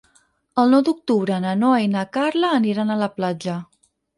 El nou d'octubre na Noa i na Carla aniran a la platja.